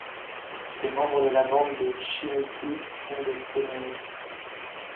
Les membres de la bande de Chiniki sont des Stoneys.